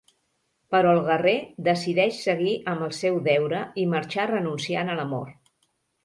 Però el guerrer decideix seguir amb el seu deure i marxar renunciant a l'amor.